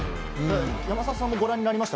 山里さんも、ご覧になりました？